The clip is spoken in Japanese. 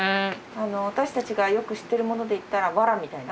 私たちがよく知ってるもので言ったらわらみたいな？